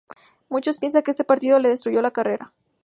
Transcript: Muchos piensan que ese partido le destruyó la carrera.